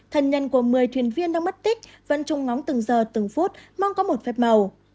thân nhân của một mươi thuyền viên đang mất tích vẫn chung ngóng từng giờ từng phút mong có một phép màu